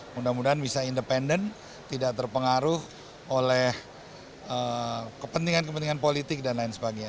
mudah mudahan bisa independen tidak terpengaruh oleh kepentingan kepentingan politik dan lain sebagainya